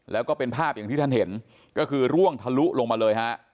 แล้วก็เป็นภาพอย่างที่ท่านเห็นก็คือร่วงทะลุลงมาเลยฮะ